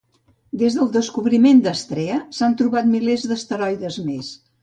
Des del descobriment d'Astrea, s'han trobat milers d'asteroides més.